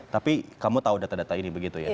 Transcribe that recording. tapi kamu tahu data data ini begitu ya